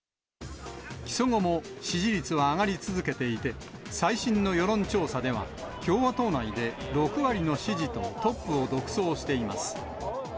起訴後も支持率は上がり続けていて、最新の世論調査では、共和党内で６割の支持とトップを独走しています。